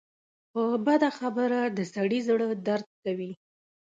په بده خبره د سړي زړۀ دړد کوي